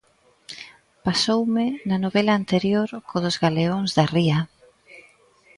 Pasoume na novela anterior co dos galeóns da ría.